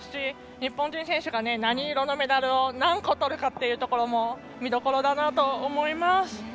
日本人選手が何色のメダルを何個取るかっていうところも見どころだなと思います。